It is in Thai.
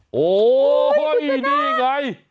โอ้โหนี่ไง